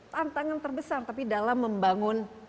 tantangan terbesar tapi dalam membangun